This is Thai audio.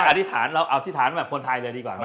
ไว้อธิษฐานเราเอาอธิษฐานของคนไทยเลยดีกว่านะ